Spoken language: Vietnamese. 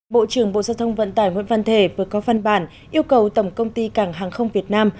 bộ trưởng bộ giao thông vận tải nguyễn văn thể vừa có văn bản yêu cầu tổng công ty cảng hàng không việt nam